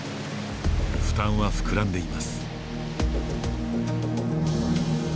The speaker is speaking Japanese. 負担は膨らんでいます。